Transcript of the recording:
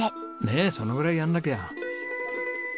ねえそのぐらいやんなきゃ。